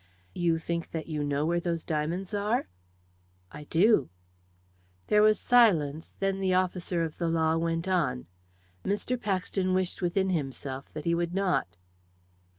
"You think that you know where those diamonds are?" "I do!" There was silence; then the officer of the law went on. Mr. Paxton wished within himself that he would not.